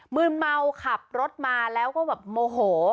ืนเมาขับรถมาแล้วก็แบบโมโห